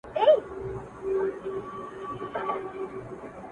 تشه له سرو میو شنه پیاله به وي!